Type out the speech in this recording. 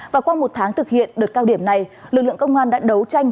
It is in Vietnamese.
và qua một tháng thực hiện đợt cao điểm này lực lượng công an đã đấu tranh